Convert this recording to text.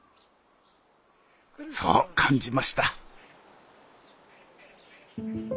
そう感じました。